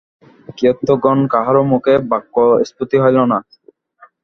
কিয়ৎক্ষণ কাহারও মুখে বাক্যস্ফূর্তি হইল না।